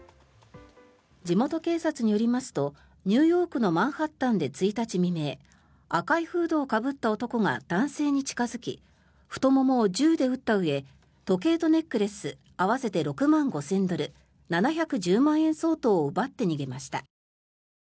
地元警察によりますとニューヨークのマンハッタンで１日未明赤いフードをかぶった男が男性に近付き太ももを銃で撃ったうえ時計とネックレス合わせて６万５０００ドル７１０万円相当を奪って逃げました。